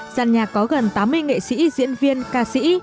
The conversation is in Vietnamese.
giàn nhạc có gần tám mươi nghệ sĩ diễn viên ca sĩ